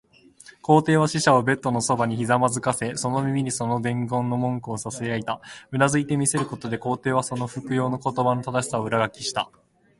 皇帝は使者をベッドのそばにひざまずかせ、その耳にその伝言の文句をささやいた。うなずいて見せることで、皇帝はその復誦の言葉の正しさを裏書きした。